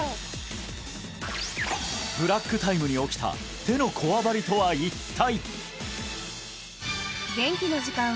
ブラックタイムに起きた手のこわばりとは一体！？